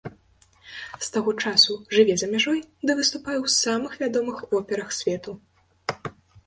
З таго часу жыве за мяжой ды выступае ў самых вядомых операх свету.